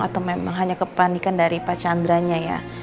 atau memang hanya kepanikan dari pak chandra nya ya